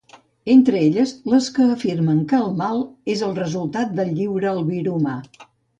Entre elles, les que afirmen que el mal és el resultat del lliure albir humà.